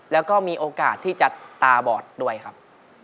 แล้วก็มีโอกาสที่จะตาบอดด้วยครับ